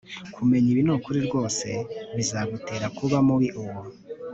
Kumenya ibi nukuri rwose bizagutera kuba mubi ubu